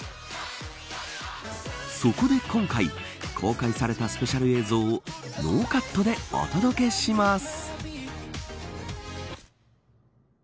そこで今回公開されたスペシャル映像をノーカットでお届けします。